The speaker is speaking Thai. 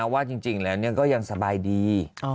ว่าจริงแล้วก็ยังสบายดี